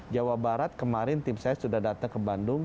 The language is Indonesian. jawa barat kemarin tim saya sudah datang ke bandung